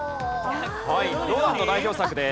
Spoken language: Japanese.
ロダンの代表作です。